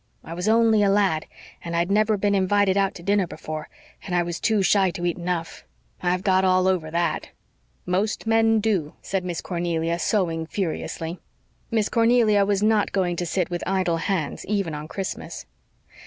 I was only a lad, and I'd never been invited out to dinner before, and I was too shy to eat enough. I've got all over THAT." "Most men do," said Miss Cornelia, sewing furiously. Miss Cornelia was not going to sit with idle hands, even on Christmas.